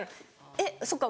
えっそっか